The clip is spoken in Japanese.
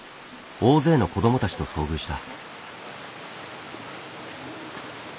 大勢の子どもたちと遭遇した。